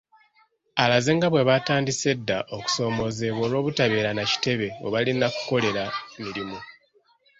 Alaze nga bwe baatandise edda okusoomoozebwa olw’obutabeera na kitebe we balina kukolera mirimu .